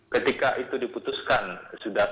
ketika itu diputuskan sudah